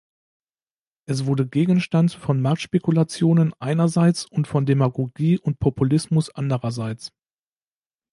Es wurde Gegenstand von Marktspekulationen einerseits und von Demagogie und Populismus andererseits.